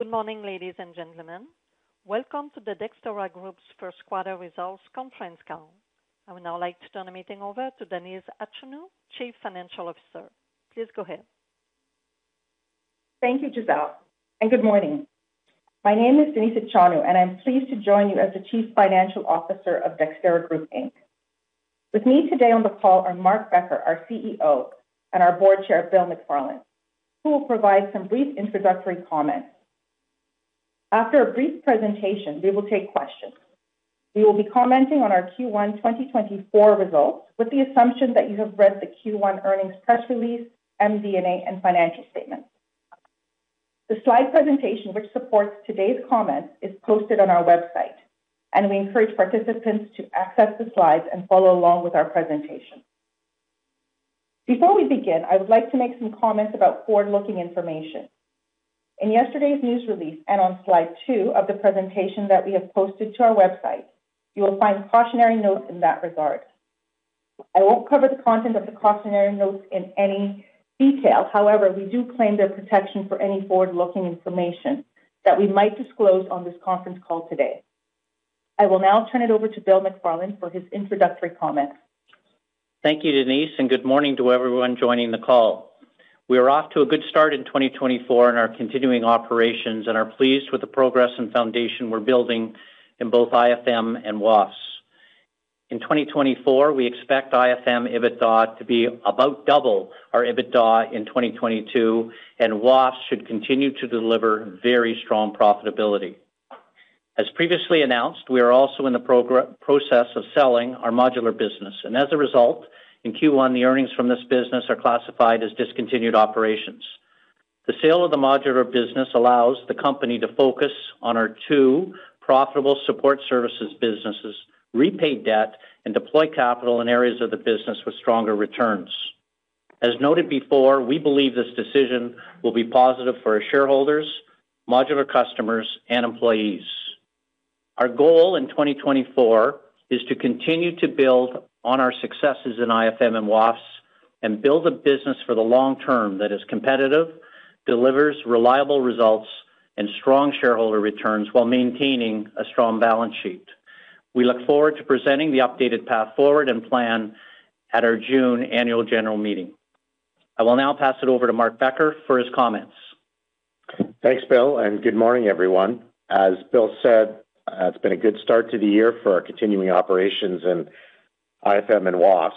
Good morning, ladies and gentlemen. Welcome to the Dexterra Group's first quarter results conference call. I would now like to turn the meeting over to Denise Achonu, Chief Financial Officer. Please go ahead. Thank you, Giselle, and good morning. My name is Denise Achonu, and I'm pleased to join you as the Chief Financial Officer of Dexterra Group Inc. With me today on the call are Mark Becker, our CEO, and our Board Chair, Bill McFarland, who will provide some brief introductory comments. After a brief presentation, we will take questions. We will be commenting on our Q1 2024 results with the assumption that you have read the Q1 earnings press release, MD&A, and financial statements. The slide presentation, which supports today's comments, is posted on our website, and we encourage participants to access the slides and follow along with our presentation. Before we begin, I would like to make some comments about forward-looking information. In yesterday's news release and on slide two of the presentation that we have posted to our website, you will find cautionary notes in that regard. I won't cover the content of the cautionary notes in any detail. However, we do claim their protection for any forward-looking information that we might disclose on this conference call today. I will now turn it over to Bill McFarland for his introductory comments. Thank you, Denise, and good morning to everyone joining the call. We are off to a good start in 2024 in our continuing operations and are pleased with the progress and foundation we're building in both IFM and WAF. In 2024, we expect IFM EBITDA to be about double our EBITDA in 2022, and WAF should continue to deliver very strong profitability. As previously announced, we are also in the process of selling our modular business, and as a result, in Q1, the earnings from this business are classified as discontinued operations. The sale of the modular business allows the company to focus on our two profitable support services businesses, repay debt, and deploy capital in areas of the business with stronger returns. As noted before, we believe this decision will be positive for our shareholders, modular customers, and employees. Our goal in 2024 is to continue to build on our successes in IFM and WAF and build a business for the long term that is competitive, delivers reliable results and strong shareholder returns while maintaining a strong balance sheet. We look forward to presenting the updated path forward and plan at our June annual general meeting. I will now pass it over to Mark Becker for his comments. Thanks, Bill, and good morning, everyone. As Bill said, it's been a good start to the year for our continuing operations in IFM and WAF.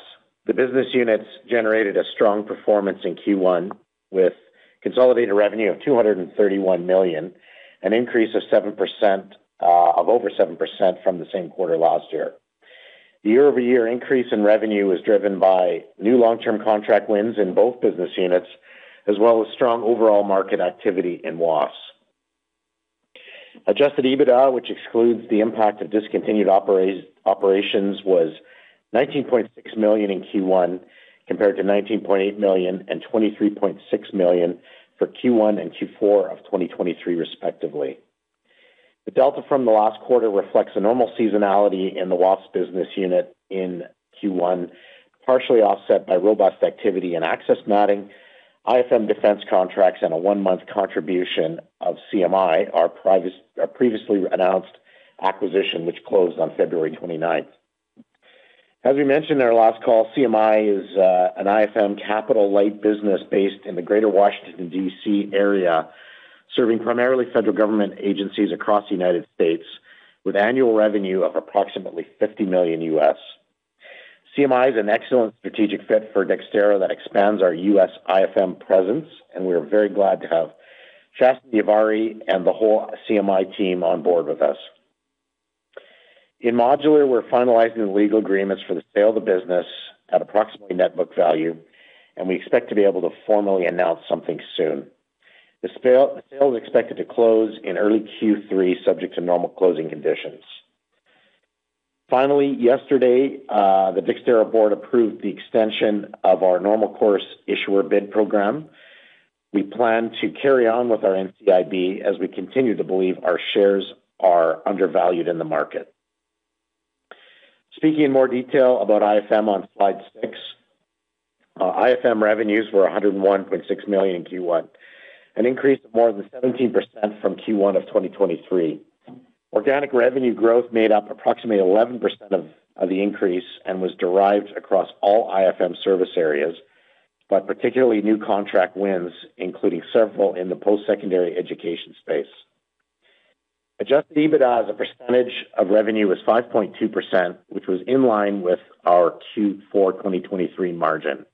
The business units generated a strong performance in Q1, with consolidated revenue of 231 million, an increase of 7%, of over 7% from the same quarter last year. The year-over-year increase in revenue is driven by new long-term contract wins in both business units, as well as strong overall market activity in WAF. Adjusted EBITDA, which excludes the impact of discontinued operations, was 19.6 million in Q1, compared to 19.8 million and 23.6 million for Q1 and Q4 of 2023, respectively. The delta from the last quarter reflects a normal seasonality in the WAF business unit in Q1, partially offset by robust activity in access matting, IFM defense contracts, and a 1-month contribution of CMI, our previous- our previously announced acquisition, which closed on February 29. As we mentioned in our last call, CMI is an IFM capital-light business based in the Greater Washington, D.C., area, serving primarily federal government agencies across the United States, with annual revenue of approximately $50 million. CMI is an excellent strategic fit for Dexterra that expands our US IFM presence, and we are very glad to have Shasta Davari and the whole CMI team on board with us. In modular, we're finalizing the legal agreements for the sale of the business at approximately net book value, and we expect to be able to formally announce something soon. The sale, the sale is expected to close in early Q3, subject to normal closing conditions. Finally, yesterday, the Dexterra board approved the extension of our normal course issuer bid program. We plan to carry on with our NCIB as we continue to believe our shares are undervalued in the market. Speaking in more detail about IFM on slide 6, IFM revenues were 101.6 million in Q1, an increase of more than 17% from Q1 of 2023. Organic revenue growth made up approximately 11% of the increase and was derived across all IFM service areas, but particularly new contract wins, including several in the post-secondary education space. Adjusted EBITDA as a percentage of revenue was 5.2%, which was in line with our Q4 2023 margin.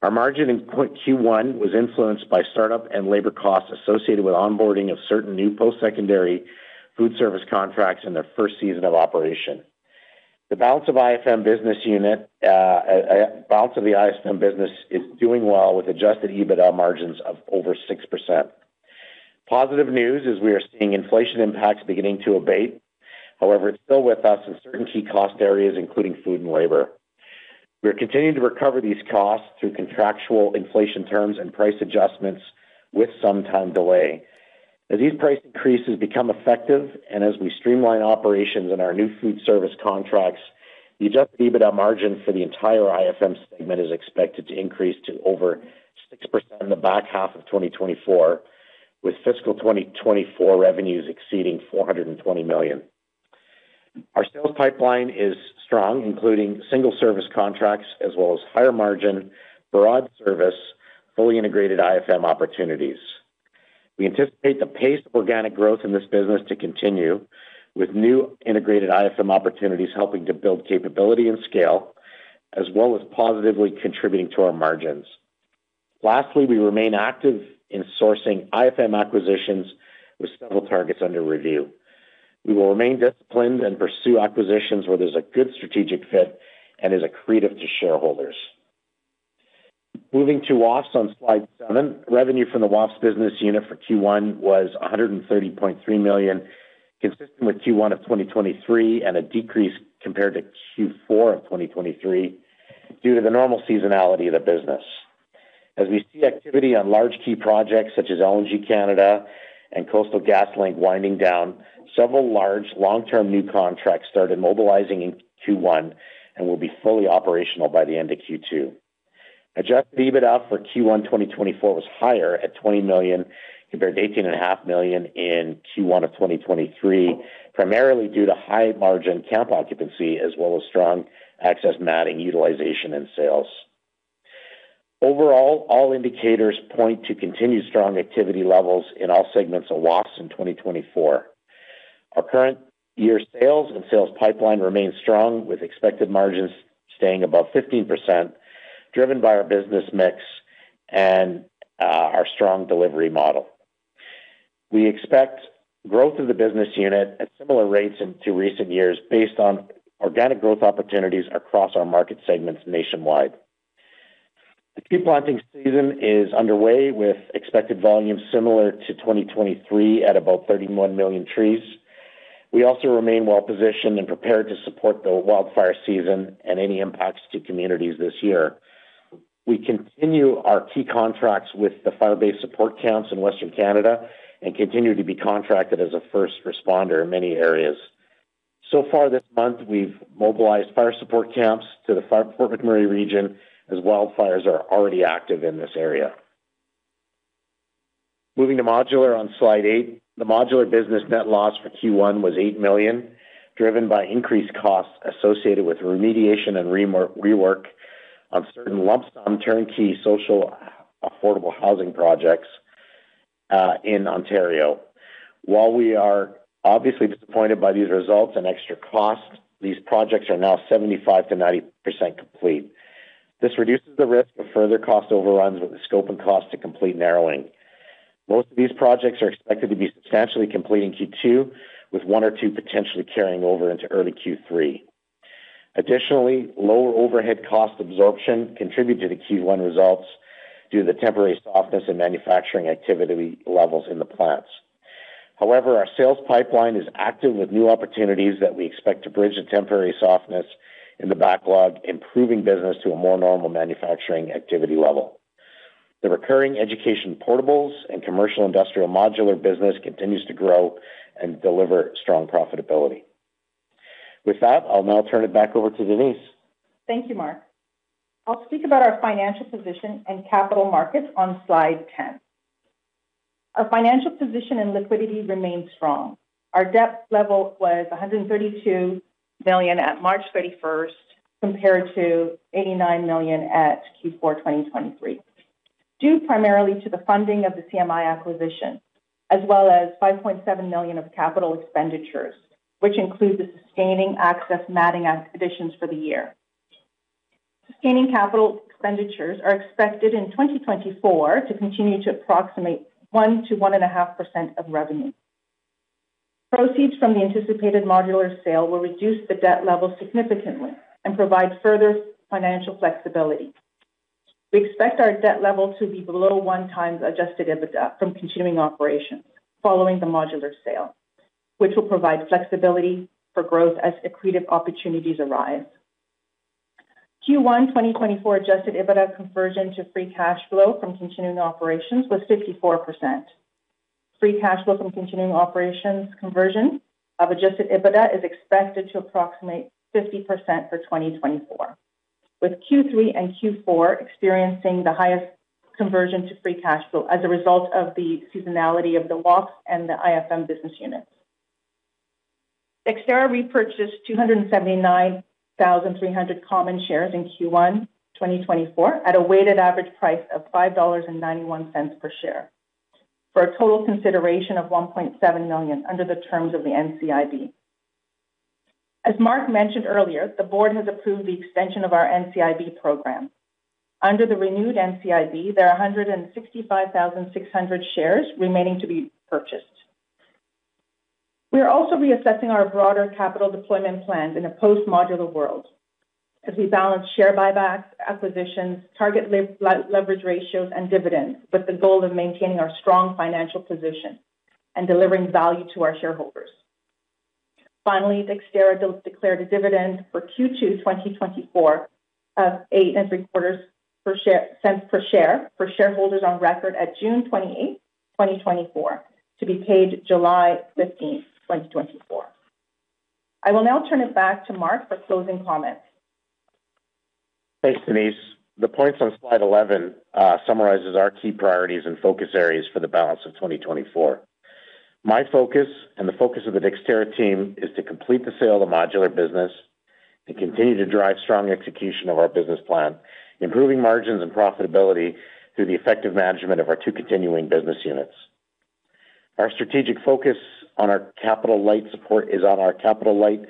Our margin in Q1 was influenced by startup and labor costs associated with onboarding of certain new post-secondary food service contracts in their first season of operation. The balance of the IFM business unit is doing well with Adjusted EBITDA margins of over 6%. Positive news is we are seeing inflation impacts beginning to abate. However, it's still with us in certain key cost areas, including food and labor. We are continuing to recover these costs through contractual inflation terms and price adjustments with some time delay. As these price increases become effective and as we streamline operations in our new food service contracts. The Adjusted EBITDA margin for the entire IFM segment is expected to increase to over 6% in the back half of 2024, with fiscal 2024 revenues exceeding 420 million. Our sales pipeline is strong, including single service contracts, as well as higher margin, broad service, fully integrated IFM opportunities. We anticipate the paced organic growth in this business to continue, with new integrated IFM opportunities helping to build capability and scale, as well as positively contributing to our margins. Lastly, we remain active in sourcing IFM acquisitions with several targets under review. We will remain disciplined and pursue acquisitions where there's a good strategic fit and is accretive to shareholders. Moving to WAF on slide 7. Revenue from the WAF business unit for Q1 was 130.3 million, consistent with Q1 of 2023, and a decrease compared to Q4 of 2023, due to the normal seasonality of the business. As we see activity on large key projects such as LNG Canada and Coastal GasLink winding down, several large, long-term new contracts started mobilizing in Q1 and will be fully operational by the end of Q2. Adjusted EBITDA for Q1 2024 was higher at 20 million compared to 18.5 million in Q1 of 2023, primarily due to high-margin camp occupancy as well as strong access matting utilization and sales. Overall, all indicators point to continued strong activity levels in all segments of WAF in 2024. Our current year sales and sales pipeline remain strong, with expected margins staying above 15%, driven by our business mix and our strong delivery model. We expect growth of the business unit at similar rates in to recent years based on organic growth opportunities across our market segments nationwide. The tree planting season is underway with expected volumes similar to 2023 at about 31 million trees. We also remain well-positioned and prepared to support the wildfire season and any impacts to communities this year. We continue our key contracts with the fire base support camps in Western Canada and continue to be contracted as a first responder in many areas. So far this month, we've mobilized fire support camps to the Fort McMurray region, as wildfires are already active in this area. Moving to Modular on slide 8. The Modular business net loss for Q1 was 8 million, driven by increased costs associated with remediation and rework on certain lump sum turnkey social affordable housing projects, in Ontario. While we are obviously disappointed by these results and extra costs, these projects are now 75%-90% complete. This reduces the risk of further cost overruns, with the scope and cost to complete narrowing. Most of these projects are expected to be substantially complete in Q2, with one or two potentially carrying over into early Q3. Additionally, lower overhead cost absorption contributed to the Q1 results due to the temporary softness in manufacturing activity levels in the plants. However, our sales pipeline is active with new opportunities that we expect to bridge the temporary softness in the backlog, improving business to a more normal manufacturing activity level. The recurring education portables and commercial industrial modular business continues to grow and deliver strong profitability. With that, I'll now turn it back over to Denise. Thank you, Mark. I'll speak about our financial position and capital markets on slide 10. Our financial position and liquidity remain strong. Our debt level was 132 million at March 31, compared to 89 million at Q4 2023, due primarily to the funding of the CMI acquisition, as well as 5.7 million of capital expenditures, which include the sustaining access matting acquisitions for the year. Sustaining capital expenditures are expected in 2024 to continue to approximate 1%-1.5% of revenue. Proceeds from the anticipated modular sale will reduce the debt level significantly and provide further financial flexibility. We expect our debt level to be below 1x Adjusted EBITDA from continuing operations following the modular sale, which will provide flexibility for growth as accretive opportunities arise. Q1 2024 Adjusted EBITDA conversion to free cash flow from continuing operations was 54%. Free cash flow from continuing operations conversion of Adjusted EBITDA is expected to approximate 50% for 2024, with Q3 and Q4 experiencing the highest conversion to free cash flow as a result of the seasonality of the WAF and the IFM business units. Dexterra repurchased 279,300 common shares in Q1 2024, at a weighted average price of 5.91 dollars per share, for a total consideration of 1.7 million under the terms of the NCIB. As Mark mentioned earlier, the board has approved the extension of our NCIB program. Under the renewed NCIB, there are 165,600 shares remaining to be purchased. We are also reassessing our broader capital deployment plans in a post-modular world as we balance share buybacks, acquisitions, target leverage ratios, and dividends, with the goal of maintaining our strong financial position and delivering value to our shareholders. Finally, Dexterra declared a dividend for Q2, 2024 of 0.0875 per share for shareholders on record at June 28, 2024, to be paid July 15, 2024. I will now turn it back to Mark for closing comments. Thanks, Denise. The points on slide 11 summarizes our key priorities and focus areas for the balance of 2024. My focus and the focus of the Dexterra team is to complete the sale of modular business and continue to drive strong execution of our business plan, improving margins and profitability through the effective management of our 2 continuing business units. Our strategic focus on our capital light support is on our capital light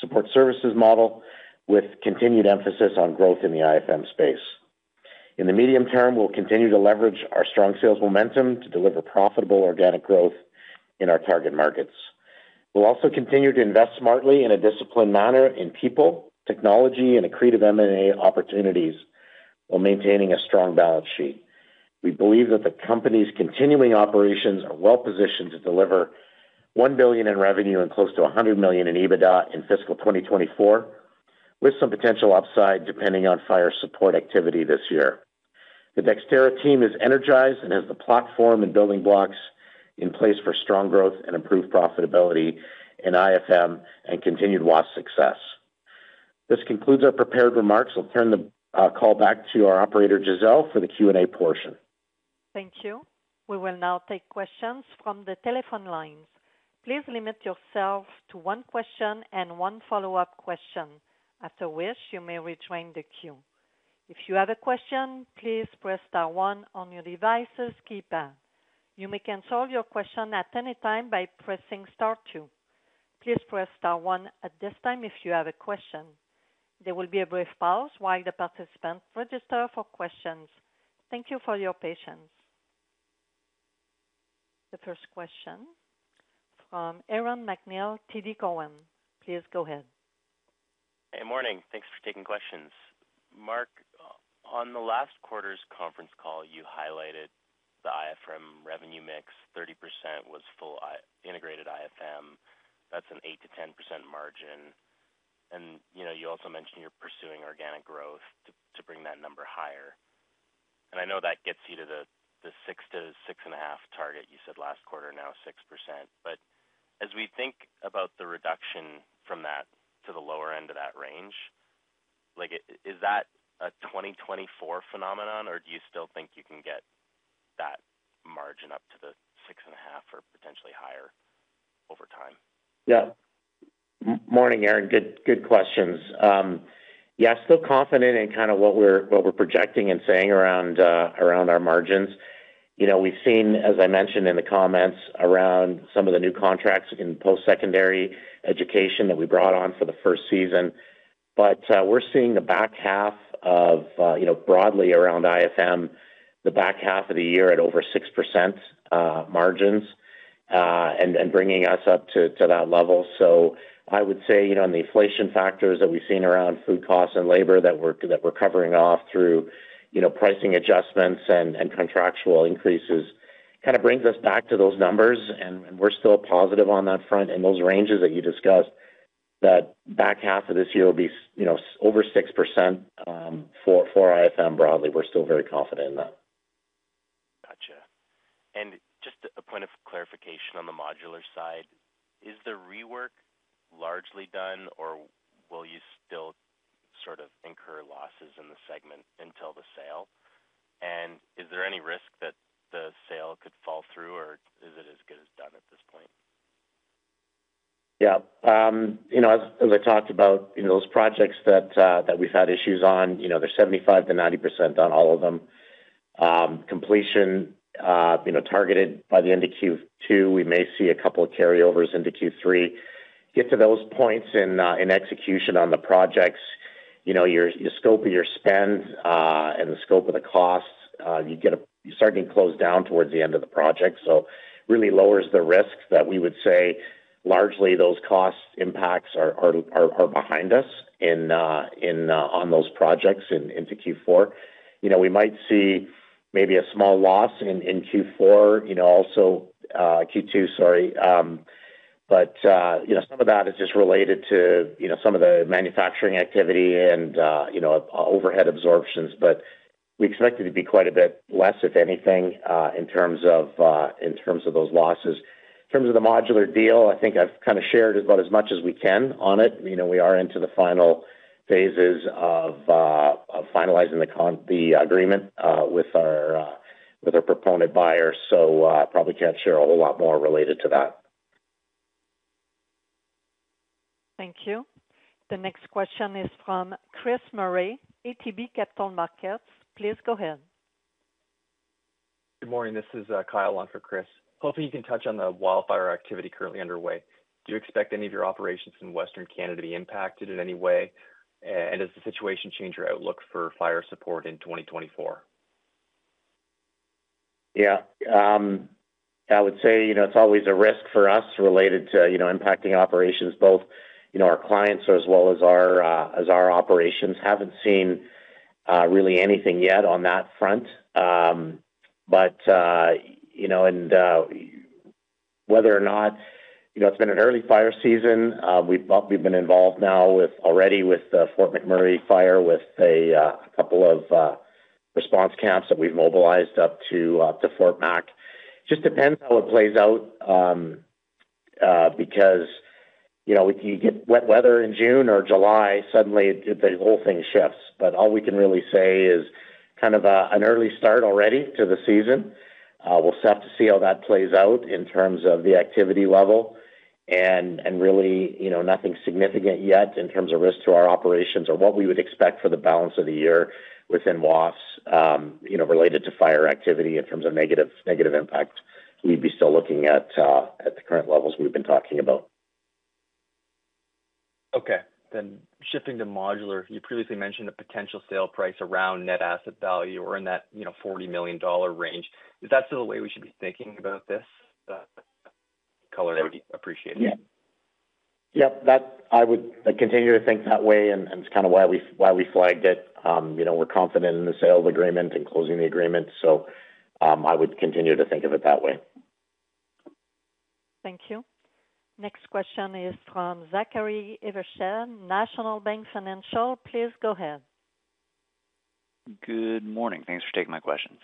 support services model, with continued emphasis on growth in the IFM space. In the medium term, we'll continue to leverage our strong sales momentum to deliver profitable organic growth in our target markets. We'll also continue to invest smartly in a disciplined manner in people, technology, and accretive M&A opportunities while maintaining a strong balance sheet. We believe that the company's continuing operations are well positioned to deliver 1 billion in revenue and close to 100 million in EBITDA in fiscal 2024, with some potential upside, depending on fire support activity this year. The Dexterra team is energized and has the platform and building blocks in place for strong growth and improved profitability in IFM and continued loss success. This concludes our prepared remarks. I'll turn the call back to our operator, Giselle, for the Q&A portion. Thank you. We will now take questions from the telephone lines. Please limit yourself to one question and one follow-up question. After which, you may rejoin the queue. If you have a question, please press star one on your device's keypad. You may cancel your question at any time by pressing star two. Please press star one at this time, if you have a question. There will be a brief pause while the participants register for questions. Thank you for your patience. The first question from Aaron MacNeil, TD Cowen. Please go ahead. Hey, morning. Thanks for taking questions. Mark, on the last quarter's conference call, you highlighted the IFM revenue mix, 30% was full integrated IFM. That's an 8%-10% margin. And, you know, you also mentioned you're pursuing organic growth to bring that number higher. And I know that gets you to the six to six and a half target you said last quarter, now 6%. But as we think about the reduction from that to the lower end of that range, like, is that a 2024 phenomenon, or do you still think you can get that margin up to the six and a half or potentially higher over time? Yeah. Morning, Aaron. Good, good questions. Yeah, still confident in kind of what we're projecting and saying around our margins. You know, we've seen, as I mentioned in the comments, around some of the new contracts in post-secondary education that we brought on for the first season. But, we're seeing the back half of, you know, broadly around IFM, the back half of the year at over 6% margins, and bringing us up to that level. So I would say, you know, on the inflation factors that we've seen around food costs and labor that we're covering off through, you know, pricing adjustments and contractual increases, kind of brings us back to those numbers, and we're still positive on that front. Those ranges that you discussed, that back half of this year will be, you know, over 6%, for IFM broadly. We're still very confident in that. Gotcha. And just a point of clarification on the modular side, is the rework largely done, or will you still sort of incur losses in the segment until the sale? And is there any risk that the sale could fall through, or is it as good as done at this point? Yeah. You know, as I talked about, you know, those projects that we've had issues on, you know, they're 75%-90% on all of them. Completion, you know, targeted by the end of Q2, we may see a couple of carryovers into Q3. Get to those points in execution on the projects, you know, your scope of your spend and the scope of the costs, you're starting to close down towards the end of the project. So really lowers the risk that we would say largely those cost impacts are behind us in on those projects into Q4. You know, we might see maybe a small loss in Q4, you know, also Q2, sorry. But, you know, some of that is just related to, you know, some of the manufacturing activity and, you know, overhead absorptions. But we expect it to be quite a bit less, if anything, in terms of, in terms of those losses. In terms of the modular deal, I think I've kind of shared about as much as we can on it. You know, we are into the final phases of finalizing the agreement with our proponent buyer. So, probably can't share a whole lot more related to that. Thank you. The next question is from Chris Murray, ATB Capital Markets. Please go ahead. Good morning. This is Kyle on for Chris. Hoping you can touch on the wildfire activity currently underway. Do you expect any of your operations in Western Canada to be impacted in any way? And does the situation change your outlook for fire support in 2024? Yeah. I would say, you know, it's always a risk for us related to, you know, impacting operations, both, you know, our clients as well as our operations. Haven't seen really anything yet on that front. But you know, whether or not, you know, it's been an early fire season. We've been involved now with already with the Fort McMurray fire, with a couple of response camps that we've mobilized up to to Fort Mac. Just depends how it plays out, because, you know, if you get wet weather in June or July, suddenly the whole thing shifts. But all we can really say is kind of an early start already to the season. We'll have to see how that plays out in terms of the activity level and really, you know, nothing significant yet in terms of risk to our operations or what we would expect for the balance of the year within WAF, you know, related to fire activity. In terms of negative impact, we'd be still looking at the current levels we've been talking about. Okay. Then shifting to modular, you previously mentioned a potential sale price around net asset value or in that, you know, 40 million dollar range. Is that still the way we should be thinking about this? Color would be appreciated. Yeah. Yep, that I would continue to think that way, and it's kind of why we flagged it. You know, we're confident in the sales agreement, in closing the agreement, so I would continue to think of it that way. Thank you. Next question is from Zachary Evershed, National Bank Financial. Please go ahead. Good morning. Thanks for taking my questions.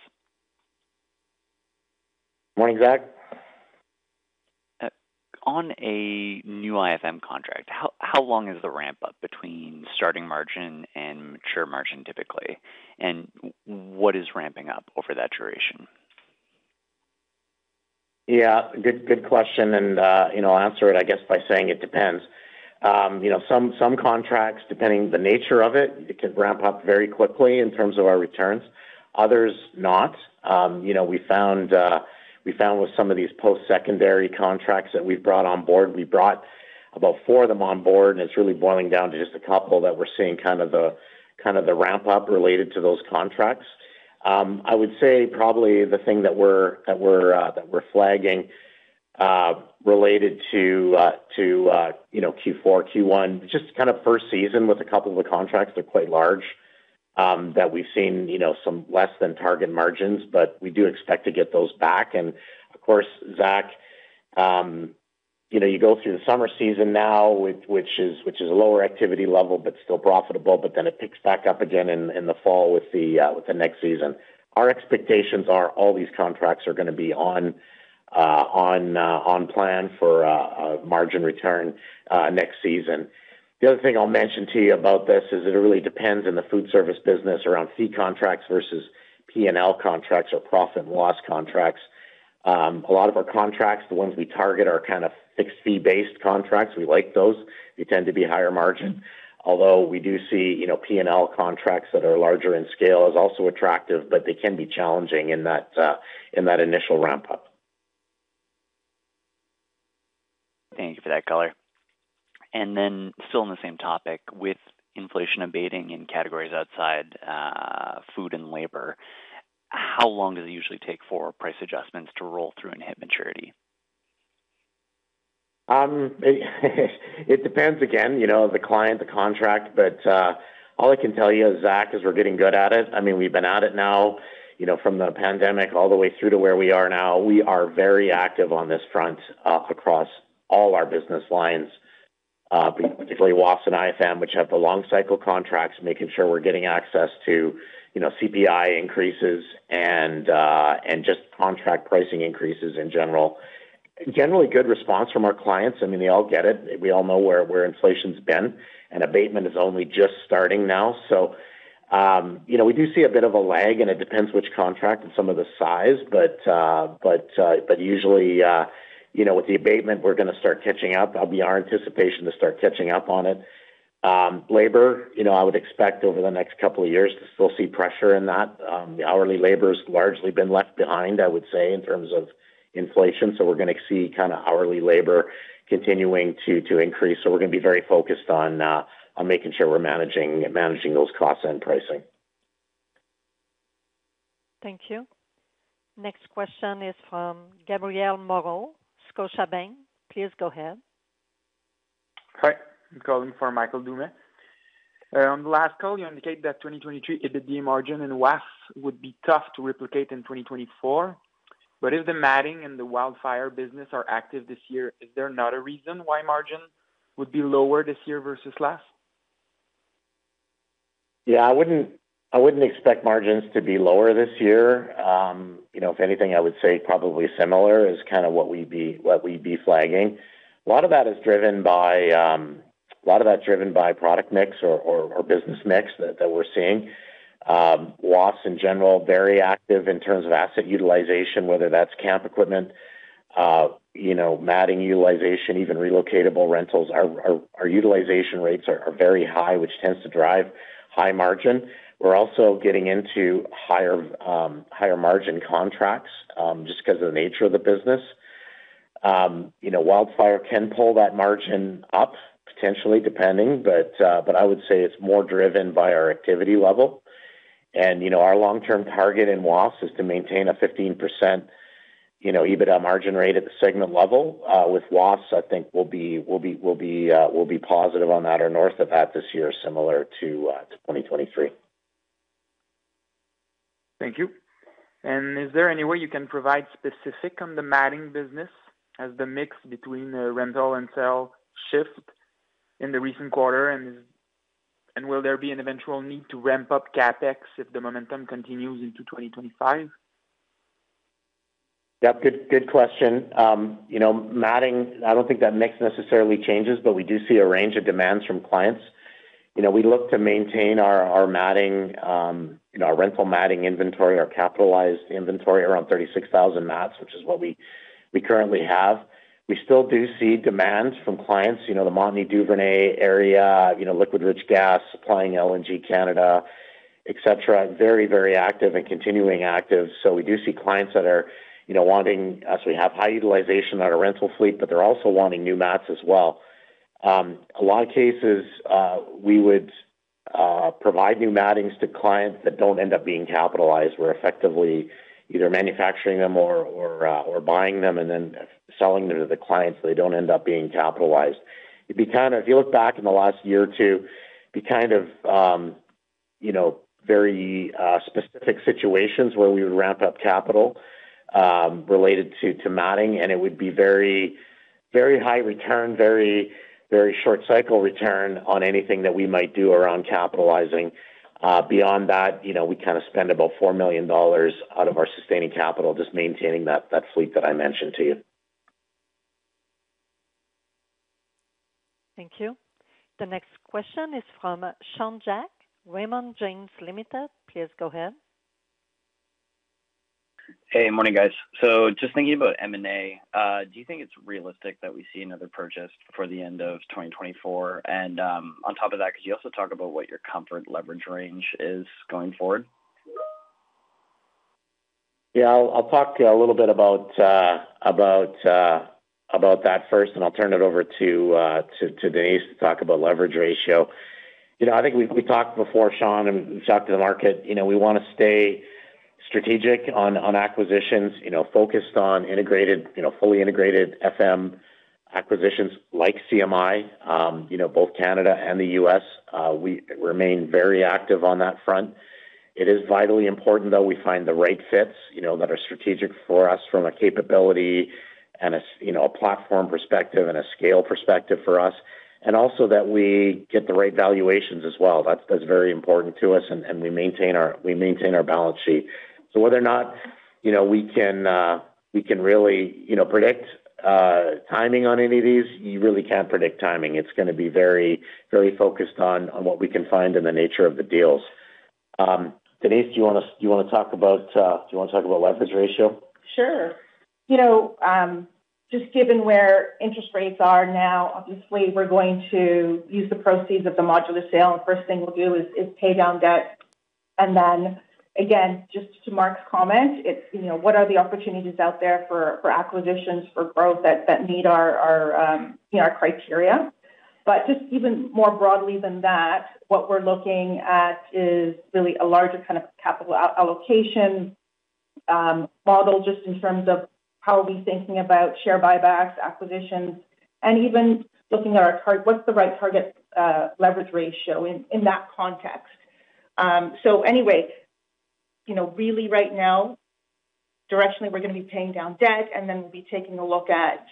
Morning, Zach. On a new IFM contract, how long is the ramp-up between starting margin and mature margin, typically? And what is ramping up over that duration? Yeah, good, good question, and, you know, I'll answer it, I guess, by saying it depends. You know, some, some contracts, depending the nature of it, it can ramp up very quickly in terms of our returns, others, not. You know, we found, we found with some of these post-secondary contracts that we've brought on board, we brought about four of them on board, and it's really boiling down to just a couple that we're seeing kind of the, kind of the ramp-up related to those contracts. I would say probably the thing that we're, that we're, that we're flagging, related to, to, you know, Q4, Q1, just kind of first season with a couple of the contracts, they're quite large, that we've seen, you know, some less than target margins, but we do expect to get those back. And of course, Zach, you know, you go through the summer season now, which is a lower activity level, but still profitable, but then it picks back up again in the fall with the next season. Our expectations are all these contracts are gonna be on plan for a margin return next season. The other thing I'll mention to you about this is it really depends on the food service business around fee contracts versus P&L contracts or profit and loss contracts. A lot of our contracts, the ones we target, are kind of fixed fee-based contracts. We like those. They tend to be higher margin, although we do see, you know, P&L contracts that are larger in scale is also attractive, but they can be challenging in that initial ramp-up. Thank you for that color. And then still on the same topic, with inflation abating in categories outside food and labor, how long does it usually take for price adjustments to roll through and hit maturity? It depends, again, you know, the client, the contract, but, all I can tell you, Zach, is we're getting good at it. I mean, we've been at it now, you know, from the pandemic all the way through to where we are now. We are very active on this front, across all our business lines, particularly WAF and IFM, which have the long cycle contracts, making sure we're getting access to, you know, CPI increases and, and just contract pricing increases in general. Generally, good response from our clients. I mean, they all get it. We all know where, where inflation's been, and abatement is only just starting now. So, you know, we do see a bit of a lag, and it depends which contract and some of the size, but usually, you know, with the abatement, we're gonna start catching up. That'll be our anticipation to start catching up on it. Labor, you know, I would expect over the next couple of years to still see pressure in that. The hourly labor has largely been left behind, I would say, in terms of inflation, so we're gonna see kind of hourly labor continuing to increase. So we're gonna be very focused on making sure we're managing those costs and pricing. Thank you. Next question is from Gabrielle Moreau, Scotiabank. Please go ahead. Hi, I'm calling for Michael Doumet. On the last call, you indicated that 2023 EBITDA margin and WAF would be tough to replicate in 2024, but if the matting and the wildfire business are active this year, is there not a reason why margin would be lower this year versus last? Yeah, I wouldn't, I wouldn't expect margins to be lower this year. You know, if anything, I would say probably similar is kind of what we'd be, what we'd be flagging. A lot of that is driven by, a lot of that's driven by product mix or business mix that we're seeing. WAF, in general, very active in terms of asset utilization, whether that's camp equipment, you know, matting utilization, even relocatable rentals. Our utilization rates are very high, which tends to drive high margin. We're also getting into higher, higher margin contracts, just because of the nature of the business. You know, wildfire can pull that margin up, potentially, depending, but, but I would say it's more driven by our activity level. You know, our long-term target in WAF is to maintain a 15% EBITDA margin rate at the segment level. With WAF, I think we'll be positive on that or north of that this year, similar to 2023. Thank you. And is there any way you can provide specific on the matting business as the mix between, rental and sales shift in the recent quarter? And is and will there be an eventual need to ramp up CapEx if the momentum continues into 2025? Yeah, good, good question. You know, matting, I don't think that mix necessarily changes, but we do see a range of demands from clients. You know, we look to maintain our, our matting, you know, our rental matting inventory, our capitalized inventory around 36,000 mats, which is what we, we currently have. We still do see demands from clients, you know, the Montney-Duvernay area, you know, liquid rich gas, supplying LNG Canada, et cetera, very, very active and continuing active. So we do see clients that are, you know, wanting as we have high utilization on our rental fleet, but they're also wanting new mats as well. A lot of cases, we would provide new mattings to clients that don't end up being capitalized. We're effectively either manufacturing them or buying them and then selling them to the clients, so they don't end up being capitalized. It'd be kind of... If you look back in the last year or two, it'd be kind of, you know, very specific situations where we would ramp up capital related to matting, and it would be very, very high return, very, very short cycle return on anything that we might do around capitalizing. Beyond that, you know, we kind of spend about 4 million dollars out of our sustaining capital, just maintaining that fleet that I mentioned to you. Thank you. The next question is from Sean Jack, Raymond James Ltd. Please go ahead. Hey, morning, guys. Just thinking about M&A, do you think it's realistic that we see another purchase before the end of 2024? On top of that, could you also talk about what your comfort leverage range is going forward? Yeah, I'll talk a little bit about that first, and I'll turn it over to Denise to talk about leverage ratio. You know, I think we talked before, Sean, and talked to the market. You know, we want to stay strategic on acquisitions, you know, focused on integrated, you know, fully integrated FM acquisitions like CMI, you know, both Canada and the US. We remain very active on that front. It is vitally important, though, we find the right fits, you know, that are strategic for us from a capability and a, you know, a platform perspective and a scale perspective for us, and also that we get the right valuations as well. That's very important to us, and we maintain our balance sheet. So whether or not, you know, we can, we can really, you know, predict timing on any of these, you really can't predict timing. It's gonna be very, very focused on what we can find in the nature of the deals. Denise, do you want to talk about leverage ratio? Sure. You know, just given where interest rates are now, obviously, we're going to use the proceeds of the modular sale, and first thing we'll do is pay down debt. And then again, just to Mark's comment, it's, you know, what are the opportunities out there for acquisitions, for growth that meet our, our, you know, our criteria? But just even more broadly than that, what we're looking at is really a larger kind of capital allocation model, just in terms of how are we thinking about share buybacks, acquisitions, and even looking at our target, what's the right target leverage ratio in that context? Anyway, you know, really right now, directionally, we're going to be paying down debt, and then we'll be taking a look at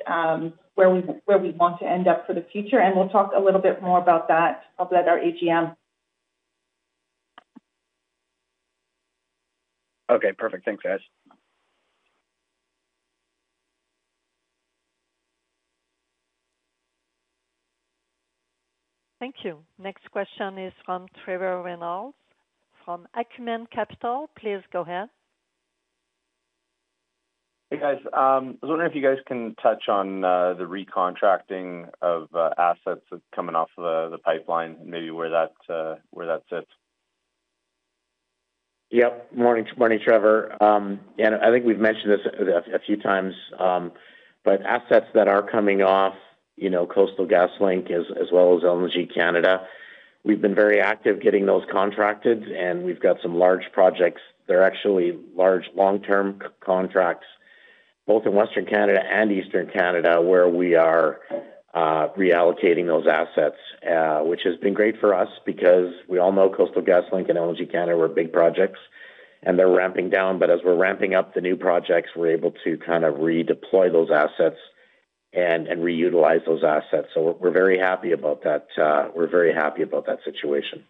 where we want to end up for the future, and we'll talk a little bit more about that at our AGM. Okay, perfect. Thanks, guys. Thank you. Next question is from Trevor Reynolds, from Acumen Capital. Please go ahead. Hey, guys. I was wondering if you guys can touch on the recontracting of assets that's coming off of the pipeline and maybe where that sits? Yep. Morning, morning, Trevor. And I think we've mentioned this a few times, but assets that are coming off, you know, Coastal GasLink as well as LNG Canada, we've been very active getting those contracted, and we've got some large projects. They're actually large, long-term contracts, both in Western Canada and Eastern Canada, where we are reallocating those assets, which has been great for us because we all know Coastal GasLink and LNG Canada were big projects, and they're ramping down. But as we're ramping up the new projects, we're able to kind of redeploy those assets and reutilize those assets. So we're very happy about that, we're very happy about that situation.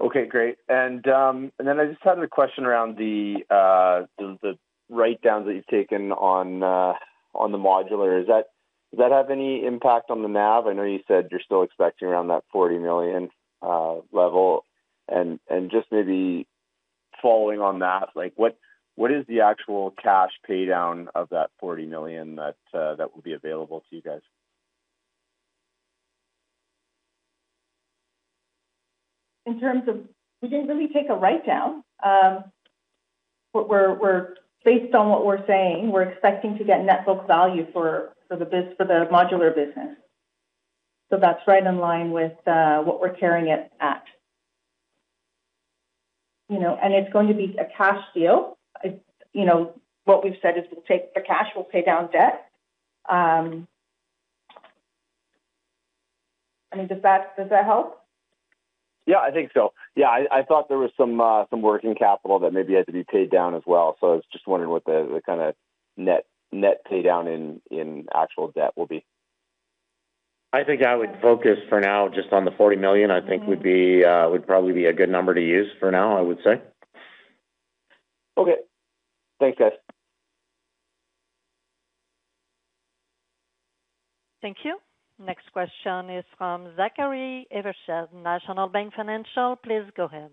Okay, great. And then I just had a question around the write-downs that you've taken on the modular. Is that- did that have any impact on the NAV? I know you said you're still expecting around that 40 million level. And just maybe following on that, like, what is the actual cash paydown of that 40 million that will be available to you guys? In terms of... We didn't really take a write-down. What we're based on what we're saying, we're expecting to get net book value for the modular business. So that's right in line with what we're carrying it at. You know, and it's going to be a cash deal. It's, you know, what we've said is we'll take the cash, we'll pay down debt. I mean, does that help? Yeah, I think so. Yeah, I thought there was some working capital that maybe had to be paid down as well. So I was just wondering what the kind of net pay down in actual debt will be? I think I would focus for now just on the 40 million, I think would be, would probably be a good number to use for now, I would say. Okay. Thanks, guys. Thank you. Next question is from Zachary Evershed, National Bank Financial. Please go ahead.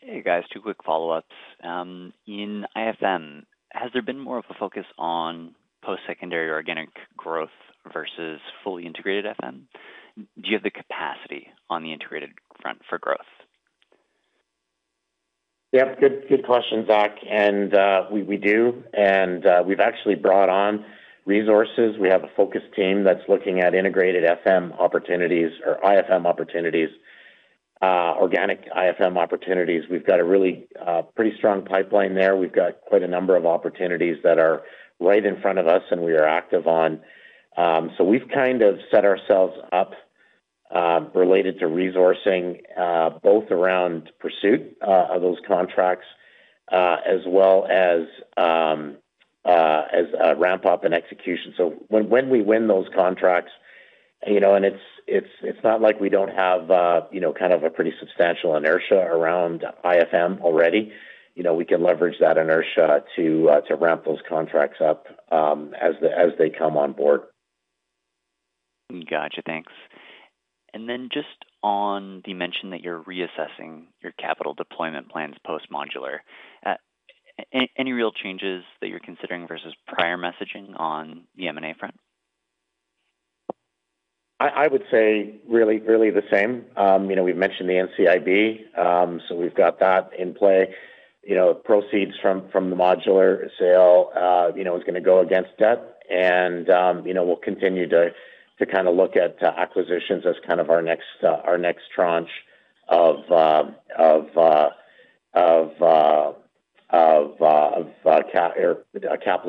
Hey, guys. Two quick follow-ups. In IFM, has there been more of a focus on post-secondary organic growth versus fully integrated FM? Do you have the capacity on the integrated front for growth? Yep, good, good question, Zach. And, we, we do. And, we've actually brought on resources. We have a focus team that's looking at integrated FM opportunities or IFM opportunities, organic IFM opportunities. We've got a really, pretty strong pipeline there. We've got quite a number of opportunities that are right in front of us, and we are active on. So we've kind of set ourselves up, related to resourcing, both around pursuit, of those contracts, as well as, as a ramp-up and execution. So when, when we win those contracts, you know, and it's, it's, it's not like we don't have, you know, kind of a pretty substantial inertia around IFM already. You know, we can leverage that inertia to, to ramp those contracts up, as the, as they come on board. Gotcha. Thanks. And then just on the mention that you're reassessing your capital deployment plans post-modular. Any real changes that you're considering versus prior messaging on the M&A front? I would say really, really the same. You know, we've mentioned the NCIB, so we've got that in play. You know, proceeds from the modular sale, you know, is gonna go against debt. You know, we'll continue to kind of look at acquisitions as kind of our next tranche of capital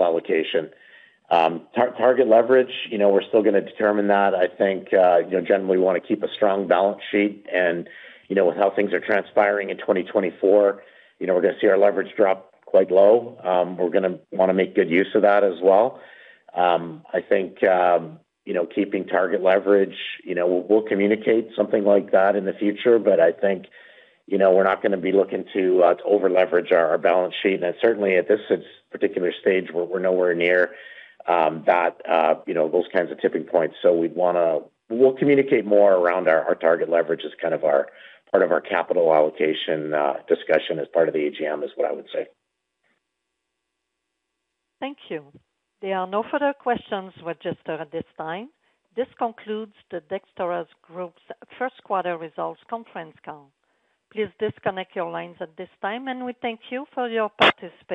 allocation. Target leverage, you know, we're still gonna determine that. I think, you know, generally, we wanna keep a strong balance sheet. You know, with how things are transpiring in 2024, you know, we're gonna see our leverage drop quite low. We're gonna wanna make good use of that as well. I think, you know, keeping target leverage, you know, we'll communicate something like that in the future. But I think, you know, we're not gonna be looking to to overleverage our our balance sheet. And certainly, at this particular stage, we're we're nowhere near that you know those kinds of tipping points. So we'd wanna... We'll communicate more around our our target leverage as kind of our part of our capital allocation discussion as part of the AGM, is what I would say. Thank you. There are no further questions registered at this time. This concludes the Dexterra Group's first quarter results conference call. Please disconnect your lines at this time, and we thank you for your participation.